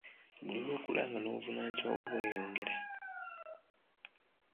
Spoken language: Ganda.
Buli lw'okula nga n'obuvunaanyizibwa bwo bweyongera.